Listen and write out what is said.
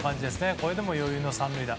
これでも余裕の３塁打。